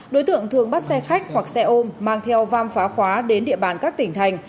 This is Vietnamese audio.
đối tượng thường bắt xe khách hoặc xe ôm mang theo vam phá khóa đến địa bàn các tỉnh thành